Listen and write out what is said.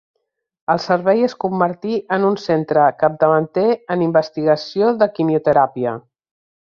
El servei es convertí en un centre capdavanter en investigació de quimioteràpia.